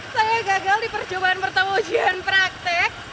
saya gagal di percobaan pertama ujian praktik